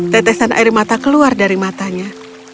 tetesan air mata keluar dari matanya